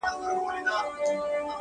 په خپل زړه کي د مرګې پر کور مېلمه سو.!